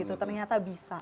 tapi ternyata bisa